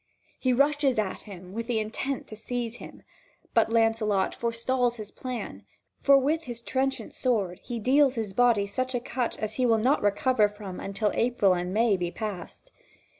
He rushes at him with the intent to seize him, but Lancelot forestalls his plan, for with his trenchant sword he deals his body such a cut as he will not recover from until April and May be passed.